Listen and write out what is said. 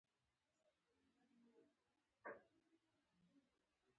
یووالی او ورورولي د ملتونو د بریا راز دی.